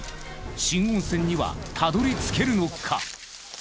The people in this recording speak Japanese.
新温泉には辿り着けるのか？